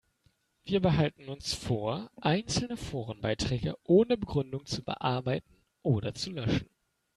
Wir behalten uns vor, einzelne Forenbeiträge ohne Begründung zu bearbeiten oder zu löschen.